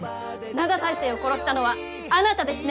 灘大聖を殺したのはあなたですね？